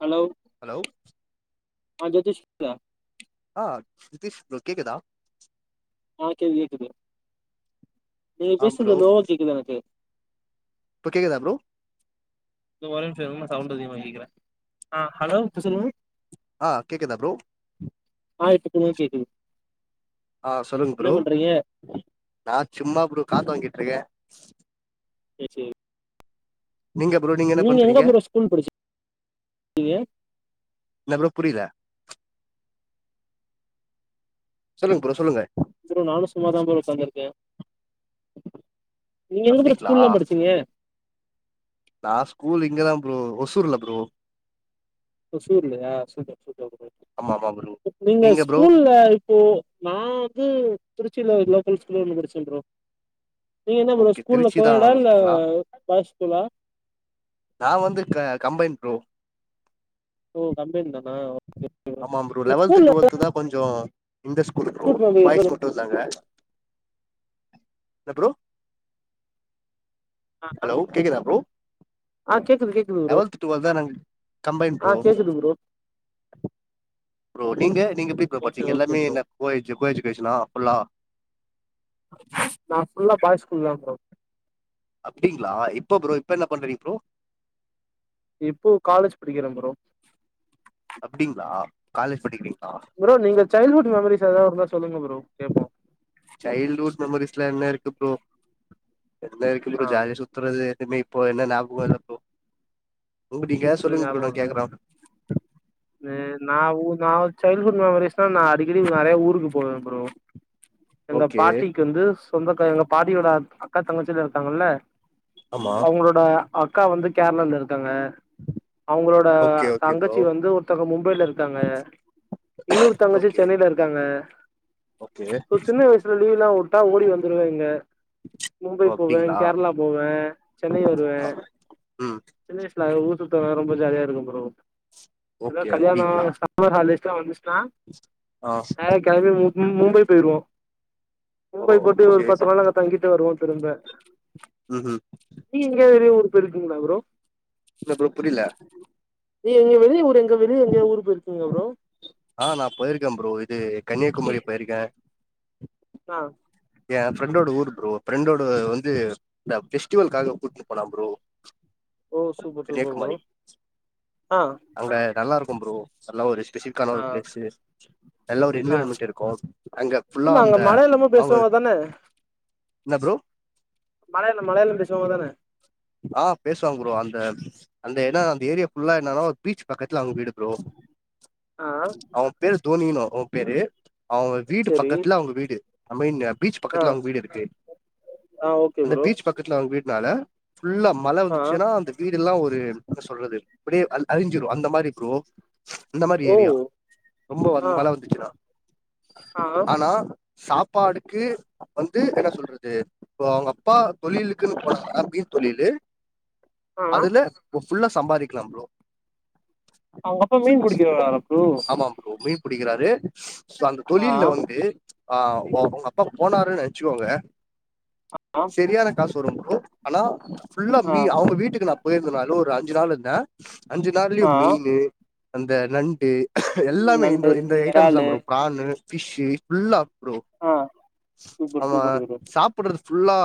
hello hello [unintelligible] ஆ Nitish bro கேக்குதா ஆ கேக் கேக்குது நீங்க ஆ ப்ரோ பேசறது லோவா கேக்குது எனக்கு இப்ப கேகுதா ப்ரோ ந்த ஒரே நிமிஷ இரு ம்மா சவுண்ட் அதிகமா கேக்குறே அ ஹலோ இப்ப சொல்லுங்க அ கேக்குதா ப்ரோ ஆ இப்ப [unintelligible] கேக்குது அ சொல்லுங்க என்ன ப்ரோ பண்றீங்க நா சும்மா ப்ரோ காத்து வாங்கிட்ருக்கே சே சேரி நீங்க ப்ரோ நீங்க என்ன பண்றீங்க எங்க ப்ரோ ஸ்கூல் படிச்சிருக்கீங்க என்ன ப்ரோ புரில சொல்லுங்க ப்ரோ சொல்லுங்க ப்ரோ நானு சும்மாதா ப்ரோ உட்காந்துருக்கே நீங்க எங்க ப்ரோ அப்டிங்களா ஸ்கூல்லா படிச்சீங்க நா ஸ்கூல் இங்கதா ப்ரோ ஒசூர்ல ப்ரோ ஓசூர்லயா சூப்பர் சூப்பர் ஆமா ஆமா ப்ரோ நீங்க ஸ்கூல்ல போ நா வந்து திருச்சில லோக்கல் ஸ்கூல்ல படிச்சே ப்ரோ நீங்க என்ன ப்ரோ ஓகே ஸ்கூல்ல திருச்சி கோ தா எட்டா இல்ல ஆங்களா பாய்ஸ் ஸ்கூலா நா வந்து க கம்பைன் ப்ரோ ஓ கம்பைன் தானா ஒ ஆமா ப்ரோ லெவல்து டுவெல்து தா கொஞ்சோ இந்த ஸ்கூலு ப்ரோ பாய்ஸ் ஸ்கூல் டு தாங்க ன்ன ப்ரோ ஆ ஹலோ கேக்குதா ப்ரோ ஆ கேக்குது கேக்குது ப்ரோ லவல்த் டுவெல் தா நா கம்பைன் ஆ ப்ரோ கேக்குது ப்ரோ ப்ரோ நீங்க நீங்க எப்டி ப்ரோ ஓகே பச்சிங்க ஓகே எல்லாமே ப்ரோ என்ன கோ எட்ஜ் கோ எஜுகேஷனா ஃபுல்லா நா ஃபுல்லா பாயஸ் ஸ்கூல் தா ப்ரோ அப்டிங்ளா இப்ப ப்ரோ இப்ப என்ன பண்றீங்க ப்ரோ இப்போ காலேஜ் படிக்கிறே ப்ரோ அப்டிங்ளா காலேஜ் படிக்கிறீங்ளா ப்ரோ நீங்க சைல்ட்ஹுட் மெமரிஸ் ஏதாவது இருந்தா சொல்லுங்க ப்ரோ கேப்போ சைல்டுஹூட் மெமரீஸ்லா என்ன இருக்கு ப்ரோ என்ன இருக்கு ப்ரோ ஆ ஜாலியா சு த்துறது எதுமே இப்போ என்ன ஞாபகம் இல்ல ப்ரோ உங்டீங்க ஏதா எது சொல்லுங்க ப்ரோ நா கேக்குற நெ நா சைல்டடுஹுட் மெமரிஸ்னா நா அடிக்கடி நெறய ஊருக்கு போவே ப்ரோ எங்க ஓகே பாட்டிக்கு வந்து சொந்தக்காரங்க பாட்டியோட அக் அக்கா தங்கச்சில்லா இருக்காங்கல்ல ஆமா அவுங்களோட அக்கா வந்து கேரளால இருக்காங்க அவுங்களோட ஓகே ஓகே ப்ரோ தங்கச்சி வந்து ஒர் மும்பைல இருக்காங்க இன்னொரு தங்கச்சி ஓகே சென்னைல இருக்காங்க ஓகே போ சின்ன வயசல லீவ் எல்லா விட்டா ஓடி வந்துருவே இங்க மும்பை ஓ போவே அப்டிங்களா கேரளா போவே சென்னை வருவே ம் சின்ன வயசுல அங் ஊர் சுத்த வரம் போது ரொம்ப ஜாலியா இருக்கு ப்ரோ ஓகே ஏதாவது கல்யாண அப்டிங்களா சம்மர் ஹாலிடேஸ்லா வந்துச்சுன்னா ஆ கிளம்பி மு மு மும்பை போயிருவோ ஓ மும்பை போட்டு ஒரு சேரி பத்து ரூவால தங்கிட்டு வருவோ திரும்ப ம் ம் நீங்க எங்கேயாது வெளிய ஊருக்கு போய் இருக்கீங்ளா ப்ரோ இல்ல ப்ரோ புரில நீ எங்க வெளிய ஊர் எங்க வெளிய எங்கயாவது ஊருக்கு போயிருக்கீங்ளா ப்ரோ ஆ நா போயிருக்கே ப்ரோ இது கன்னியாகுமரி போயிருக்கே ஆ எய ஃப்ரெண்டோட ஊர் ப்ரோ ஃப்ரெண்டோட வந்து இந்த பெஸ்டிவலாக கூட்டுனு போனா ப்ரோ ஓ சூப்பர் சூப்பர் ப்ரோ கன்னியாகுமாரி ஆ அங்க நல்லா இருக்கும் ப்ரோ நல்ல ஒரு ஸ்பெஷிபி கான ஆ ஒரு பிளேஸு நல்லா ஒரு ஆ என்விரான்மெண்ட் இருக்கு அங்க ஃபுல்லா அந்த ஸ்லோவா தான்னே ன்னப்ரோ மலயாளோ மலயாளம் பேசுவாங்கதானே ஆஹ் பேசுவாங்க ப்ரோ அந்த அந்த எட அந்த ஏரியா ஃபுல்லா என்னன்னா ஒரு பீச் பக்கத்துல அவங்க வீடு ப்ரோ ஆ அவன் பேரு தோனினு அவன் பேரு அவுங்க வீடு செரி பக்கத்துல அவுங்க வீடு ஐ மீன்னு பீச் ஆ பக்கத்துல அவங்க வீடு இருக்கு ஆ ஓகே அந்த ப்ரோ பீச் பக்கத்துல அவங் வீட்னால ஃபுல்லா மழ ஆ வந்துச்சுன்னா அந்த வீடு எல்லா ஒரு என்ன சொல்றது அப்டியே அழிஞ்சிரு அந்த மாரி ப்ரோ இந்த மாரி ஓ ஏரியா ரொம்ப வ மழ வந்துச்சினா ஆஹ் ஆனா சாப்பாடுக்கு வந்து என்ன சொல்றது இப்போ அவங்க அப்பா தொழிலுக்குன்னு போனாதா மீன் தொழிலு ஆ அதுல ஃபுல்லா சம்பாரிக்கலா ப்ரோ உங்க அப்பா மீன் புடிக்க வராரா ப்ரோ ஆமா ப்ரோ மீன் புடிக்கறாரு சோ அந்த ஆ தொழில்ல வந்து ஆஹ் ஒ அவ்ங்கப்பா போனாருன்னு நென்ச்சிக்கோங்க ஹக்காம் செரியான காசு வரும் ப்ரோ ஆனா ஃபுல்லா ஆ மீ அவுங்க வீட்டுக்கு நா போயிருந்த நாளு ஒரு அஞ்சு நாளு இருந்த அஞ்சு நாள்லியும் ஆ மீனு அந்த நண்டு ம் எல்லாமே இந்த நண்டு இந்த ஐட்டம்ஸ் தா எறாலு ப்ரோ ப்ரானு ஃபிஷ்ஷு ஃபுல்லா ப்ரோ ஆ சூப்பர் அவன் சூப்பர் ப்ரோ சாப்புட்றது ஃபுல்லா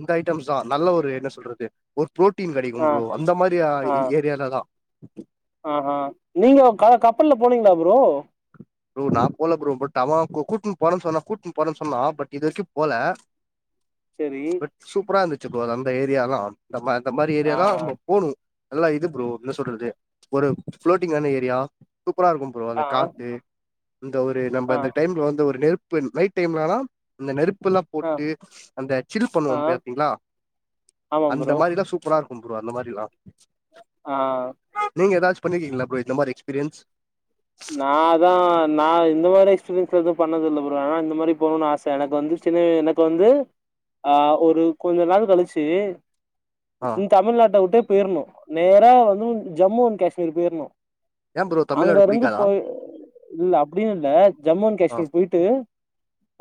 இந்த ஐட்டம்ஸ் தா நல்ல ஒரு என்ன சொல்றது ஒரு ப்ரோட்டீன் கெடைக்கும் ஆ ப்ரோ அந்த மாரி அ ஏரியால தா ஆஹ்ஹா நீங்க கா கப்பல்ல போனீங்களா ப்ரோ ப்ரோ நா போல ப்ரோ பட் அவன் கூட்னு போறன்னு சொன்னா கூட்னு போறன்னு சொன்னா பட் இது வரைக்கும் போல சரி பட் சூப்பரா இருந்துச்சு ப்ரோ அது அந்த ஏரியாலா நம்ம அந்த மாரி ஆ ஏரியாதா நம்போ போணு நல்லா இது ப்ரோ ன்ன சொல்றது ஒரு ஃப்ளோட்டிங்கான ஏரியா சூப்பரா இருக்கும் ப்ரோ அந்த ஆ காத்து இந்த ஒரு நம்ப ஆ இந்த டைம்ல வந்து ஒரு நெருப்பு நைட் டைம்லலா அந்த நெருப்பெல்லா ஆ போட்டு அந்த சில் பண்ணுவோ ஆ பாத்தீங்ளா ஆமா அந்த ப்ரோ மாரிலா சூப்பரா இருக்கு ப்ரோ அந்த மாரிலா ஆ நீங்க எதாச்சு பண்ணிருக்கீங்களா ப்ரோ இந்த மாரி எக்ஸ்பீரியன்ஸ் நா அதா நா இந்த மாரி எக்ஸ்பீரியன்ஸ் எதுவு பண்ணதில்ல ப்ரோ ஆனா இந்த மாரி போனுன்னு ஆச எனக்கு வந்து சின்னு எனக்கு வந்து ஆஹ் ஒரு கொஞ்ச நாள் கழிச்சி ஆ இந் தமிழ்நாட்ட உட்டே போயிறணு நேரா வந்து ஜம்மு‌ அண்‌ கேஸ்மீர் போயிறணு ஏன் ப்ரோ தமிழ்நாடு புடிக்காதா போய் இல்ல அப்டின்னு இல்ல ஜம்மு அண்ட் ஆ காஷ்மீர் போய்ட்டு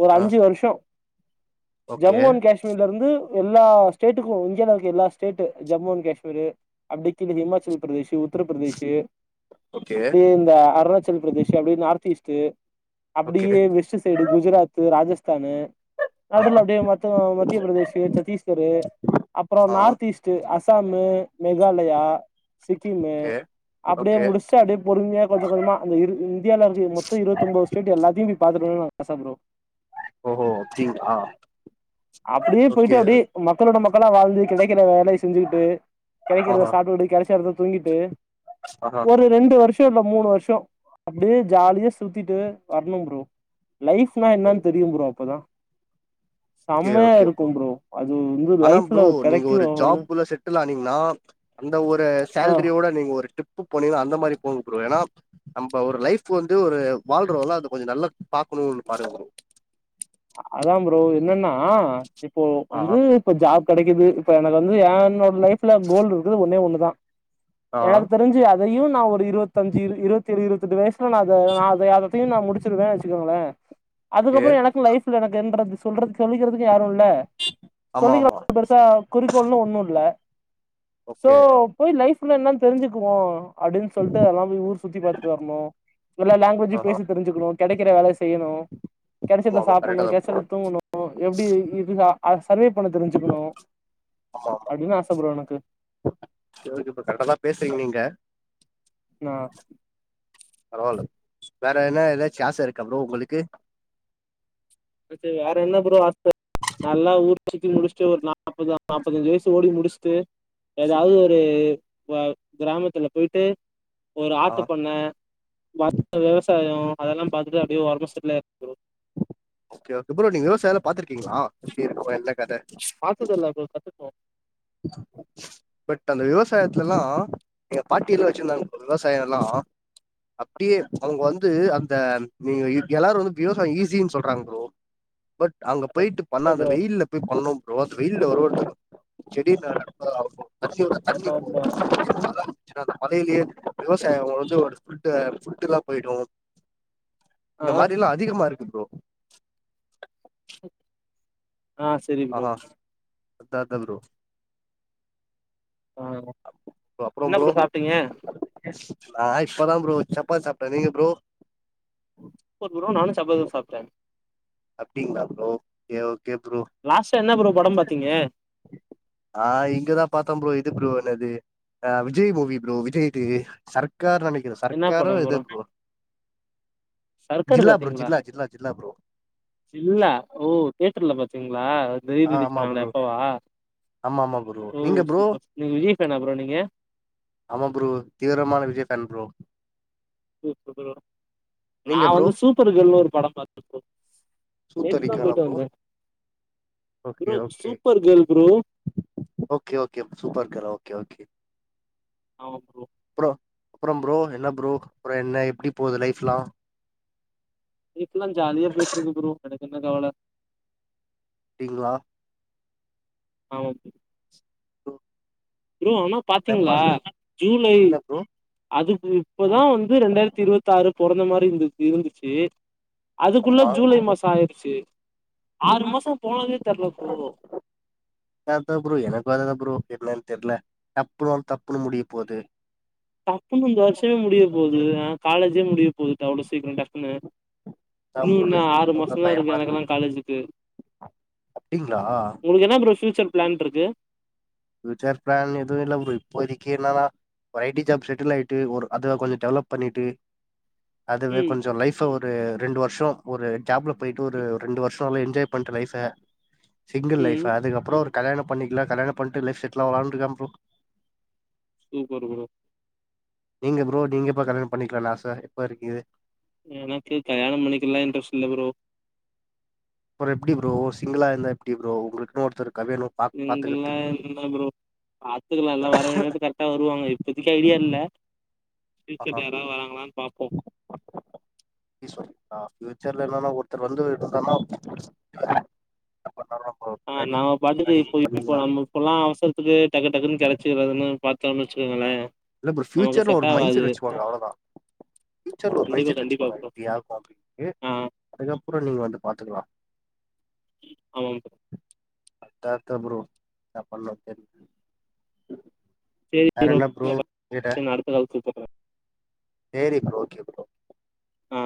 ஒரு ஆ அஞ்சு வருஷோ ஓகே ஜம்மு அண் காஷ்மீர்லருந்து எல்லா ஸ்டேட்டுக்கும் இந்தியால இருக்குர எல்லா ஸ்டேட்டு ஜம்மு அண்ட் காஷ்மீரு அப்டி கீழே ஹிமாச்சல் பிரதேஷு உத்தரப்பிரதேஷா ஓகே அப்டியே இந்த அ ருணாச்சல் பிரதேஷ் அப்டியே நார்த் ஈஸ்ட் ஓகே அப்டியே வெஸ்ட் சைடு குஜராத் இது ராஜஸ்தானு ஆ நடுல அப்டியே மத்த மத்திய பிரதேஷ், சத்தீஸ்கரு அப்பறோ ஆ north east to Assam, Meghalaya Sikkim, okay அப்டியே ஓகே முடிச் சு அப்டியே பொறுமையா கொஞ்ச கொஞ்சமா அந்த இரு‌ இந்தியால இருக்க மொத்த இருபத்தொன்போது ஸ்டேட் எல்லத்தையு போய் பாத்துட்டு வரனு ஆச ப்ரோ ஓஹோ அப்டீங்ளா அப்டியே போயிட்டு அப்டியே மக்களோட மக்களா வாழ்ந்து கெடக்கிற வேலய செஞ்சுக்கிட்டு கெடக்கறத சாப்டுகிட்டு கெடச்ச எடத்துல தூங்கிட்டு ஆஹ ஒரு ரெண்டு வருஷோ இல்ல மூணு வருஷோ அப்டியே ஜாலியா சுத்திட்டு வரனு ப்ரோ லைஃப்னா என்னான்னு தெரியு ப்ரோ அப்பதா ஓகே செம்மையா ஓகே இருக்கு ப்ரோ, அது வந்து ஆனா லைஃப்ல ப்ரோ நீங்க கெடைக்கு ஒரு ஜாப்ல செட்டில் ஆனீங்னா அந்த ஒரு ஆ சேலரியோட நீங்க ஒரு ட்ரிப் போனீங்னா அந்த மாரி போங்க ப்ரோ ஏன்னா நம்ப ஒரு லைஃப் வந்து ஒரு வாழ்றோல்ல அது கொஞ்சோ நல்லா பாக்குணுனு பாருங்க ப்ரோ அதா ப்ரோ என்னன்னா இப்போ ஆ வந்து இப்ப ஜாப் கெடைக்குது இப்ப எனக்கு வந்து எ என்னோட லைப்ல கோல் இருக்குது ஒன்னே ஒண்ணுதா ஆ எனக் தெரி ஞ்சி அதையு நா ஒரு இருவத்தஞ்சு இரு இருவத்தியேழு இருவாத்தியெட்டு வயசு குள்ள நா அத நா அத அதையு நா முடிச்சிருவே வச்சுக்கோங்கள ஓகே அதுக்கப்றோ எனக்கு லைஃப் ஃப்ல எனக்கு என்றது சொல்றது சொலிக்கிறதுக்கு யாரு இல் ல ஆமா சொல்லிக்ற ஆமா அளவுக்கு பெருசா குறிக்கோள்னு ஒன்னு இல்ல சோ ஓகே போய் லைஃப்ல என்னன்னு தெரிஞ்சுக்குவோ அப்டின்னு சொல்லிட்டு அதெல்லா போய் ஊர் சுத்தி பாத்துட்டு வரணு எல்லா லாங் வேஜ் ஆஹா பேசி தெரிஞ்சுக்கணு கெடைக்கிற வேல செய்யணு ஆமா கெடச்சத ஆமா சாப் கரெக்டா தா ப்ரோ ச்சத தூங்கணு எப்டி இது சா அத சர்வே பண்ண தெரிஞ்சுக்குணு ஆமா அப்டின்னு ஆச ப்ரோ எனக்கு சேரிங்க இப்ப கரைக்டாதா பேசுறீங்க நீங்க நா பரவால்ல வேற என்ன ஏதாச்சு ஆச இருக்கா ப்ரோ உங்களுக்கு எனக்கு வேற என்ன ப்ரோ ஆச நல்லா ஊர் சுத்தி முடிச்சுட்டு ஒரு நாப்பது நாப்பத்தஞ்சு வயசு ஓடி முடிச்சுட்டு ஏதாவது ஒரு ப கிராமத்துல போயிட்டு ஒரு ஆ ஆட்டு பண்ண மத்த விவசாயோ அதெல்லா பாத்துட்டு அப்டியே ஒரமா செட்டில்லாயிடுனு ப்ரோ ஓகே ப்ரோ நீங்க விவசாயம்லா பாத்துருக்கீங்ளா எப்டி இருக்கு என்ன கத பாத்ததில்ல ப்ரோ கத்துக்கணு பட் அந்த விவசாயத்துலலா எங்க பாட்டியெல்லா வச்சிருந்தாங்க ப்ரோ விவசாயம் எல்லா அப்டியே அவங்க வந்து அந்த நீங்க எல்லாரு வந்து விவசாயம் ஈஸினு சொல் றாங்க ப்ரோ பட் அங்க ரொம்ப போயிட்டு பண்ணா கஷ்டோ அந்த ப்ரோ வெயில்ல போயி பண்ணு ப்ரோ அந்த வெயில்ல ஒரு ஒருத்தங்க செடி நட்றதாவட்டு வச்சி அங்க தண்ணி ஆமா போவு ஆமா [inaudible] மழ ஞ்சினா அந்த மழையிலேயே விவசாயம் வந்து ஒரு ஸ்பிரிட்டு ஸ்பிரிட்டு இல்லாம போய்டு இந்த ஆ மாரில்லா அதிகமா இருக்கு ப்ரோ ஆ சரி ப்ரோ ஆஹா அதா அதா ப்ரோ ஆ அப் அப்பறோ என்ன ப்ரோ சாப்ட்டீங்க நா இப்பதா ப்ரோ சப்பாத்தி சாப்டே நீங்க ப்ரோ சூப்பர் ப்ரோ நானு சப்பாத்திதா சாப்ட்டே அப்டிங்ளா ப்ரோ யா ஓகே ப்ரோ லாஸ்ட்டா என்ன ப்ரோ படம் பாத்தீங்க ஆ இங்க தா பாத்தே ப்ரோ இது ப்ரோ என்னது ஆ விஜய் மூவி ப்ரோ விஜய்து சர்க்கார் நெனைக்கிறே என்ன சர்க்காரோ படம் எதோ bro Sarkar Jilla bro Jilla Jilla Jilla bro Jilla ஓ தேட்டர்ல பாத்தீங்ளா ரீ ஆ ரிலிஸ் ஆமா பண்ணாங்களே ப்ரோ அப்பவா ஆமா ஆமா ப்ரோ ஓ நீங்க ப்ரோ சூப்பர் நீங்க விஜய் ஃபேனா ப்ரோ நீங்க ஆமா ப்ரோ தீவிரமான Vijay fan bro super bro நா நீங்க ப்ரோ வந்து சூப்பர் கேர்ள்னு ஒரு படம் பாத்தே ப்ரோ நேத்து தா சூத்தடிக்காலா போய்ட்டு ப்ரோ வந்தே okay bro okay super girl bro okay okay super கேளா ஓகே ஓகே ஆமா ப்ரோ ப்ரோ அப்றோ ப்ரோ என்ன ப்ரோ அப்றோ என்ன எப்டி போது லைஃப்ல்லா லைஃப்லா ஜாலியா போய்ட்ருக்கு ப்ரோ எனக்கு என்ன கவல அப்டிங்ளா ஆமா ப்ரோ ஆனா என்ன பாத்தீங்களா பண்றது ஜூலை இல்ல ப்ரோ அது பு இப்பதா வந்து ரெண்டாயிரத்தி இருவத்தாரு பொறந்த மாரி இருந்து இருந்துச்சு அதுக்குள்ள ஜூலை ஆமா மாசோ ஆயிருச்சு ஆறு மாசோ போனதே தெர்ல ப்ரோ அதா ப்ரோ எனக்கு அதே தா ப்ரோ என்னன் தெர்ல டப்புன்னு வந்து டப்புன்னு முடிய போது டப்புன்னு இந்த வர்ஷமே முடிய போது ஆ காலேஜே முடிய போது அவ்ளோ சீக்ரோ டக்குன்னு இன்னு என்ன ஆறு மாசோதா இருக்கு எனக்கல்லா காலேஜுக்கு அப்டிங்களா ஒனக்கு என்னா ப்ரோ ஃபியூச்சர் பிளான்ருக்கு ஃபியூச்சர் பிளான் எது இல்ல ப்ரோ இப்போதக்கி என்னனா ஒரு ஐ டி ஜாப் செட்டில் ஆயிட்டு ஒரு அதுல கொஞ்சோ டெவலப் பண்ணிட்டு அதுவே ம் கொஞ்சோ லைஃப் ஃப ஒரு ரெண்டு வர்ஷோ ஒரு ஜாப்ல போய்ட்டு ஒரு ஒரு ரெண்டு வர்ஷோ நல்லா என்ஜாய் பண்ட்டு லைஃப சிங்கிள் லைஃப ம் அதுக்கப்றோ ஒரு கல்யாணோ பண்ணிக்லா கல்யாணோ பண்ணிட்டு லைஃப் செட்டில் ஆவலான்ருக்கே ப்ரோ சூப்பர் ப்ரோ நீங்க ப்ரோ நீங்க எப்ப கல்யாணம் பண்ணிக்கலான் ஆச எப்போருக்கு எனக்கு கல்யாணம் பண்ணிக்கலா இன்ட்ரெஸ்ட் இல்ல ப்ரோ அப்றோ எப்டி ப்ரோ சிங்கிளா இருந்தா எப்டி ப்ரோ உங்ளுக்குன் ஒருத்தரு சிங்கிள்னா என்ன ப்ரோ பாத்துக்லா எல்லா வர வேண்டிய நேரத்துக்கு கர் ட்டா வருவாங்க இப்பதிக்கி ஐடியா இல்ல ஆ ஃபியூச்சர்ல யாராது வராங்ளான் பாப்போ அப்டி சொல்றீங்ளா ஃபியூச்சர்ல என்னனா ஒருத்தர் வந்து இருந்தானா அந்த தருணம் ஆமா நாம பாட்டுக்கு இப்போ இப்போ நம்ம இப்பல்லா அவசரத்துக்கு டக்கு டக்குன்னு கெடச்சிறதுன்னு பாத்தோன் வச்சுக்கங்களே இல்ல ப்ரோ ஃபியூச்சர்ல ஒரு மைண்ட் செட் வச்சுக்கோங்க அவ்ளோதா ஃபியூச்சர்ல ஒரு மைண்ட் கண்டிப்பா செட் கண்டிப்பா வச்சுக்கோங்க ப்ரோ இப்டி ஆள் பாப்பிங்ணு ஆ அதுக்கப்றோ நீங்க வந்து பாத்துக்லா ஆமா ப்ரோ அத்த அத்த ப்ரோ என்ன பண்ணு தெரி வேற என்ன ப்ரோ செரி நா அடுத்த கால் பேச போறே சேரி ப்ரோ ஓகே ப்ரோ அ